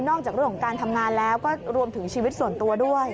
จากเรื่องของการทำงานแล้วก็รวมถึงชีวิตส่วนตัวด้วย